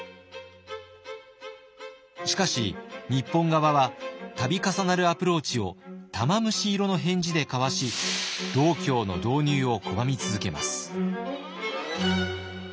しかし日本側は度重なるアプローチを玉虫色の返事でかわし道教の導入を拒み続けます。